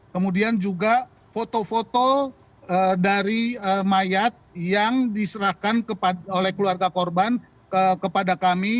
kemudian juga foto foto dari mayat yang diserahkan oleh keluarga korban kepada kami